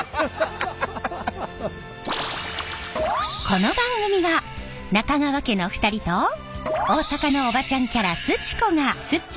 この番組は中川家の２人と大阪のおばちゃんキャラすち子が